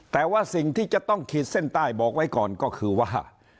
แต่ว่าสิ่งที่จะต้องขีดเส้นใต้บอกไว้ก่อนก็คือว่า